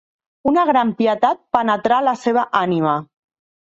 Una gran pietat penetrà la seva ànima.